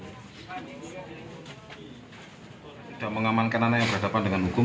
polisi juga telah mengamankan anak yang berhadapan dengan hukum